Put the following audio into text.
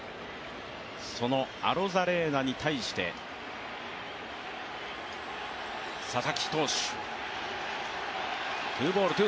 そのアロザレーナに対して佐々木投手。